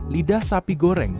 lidah sapi goreng